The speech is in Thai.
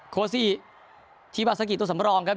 โคซี่ทีบาซากิตัวสำรองครับ